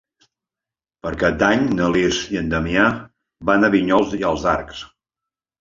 Per Cap d'Any na Lis i en Damià van a Vinyols i els Arcs.